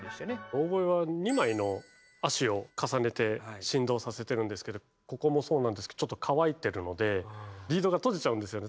オーボエは２枚の葦を重ねて振動させてるんですけどここもそうなんですけどちょっと乾いてるのでリードが閉じちゃうんですよね。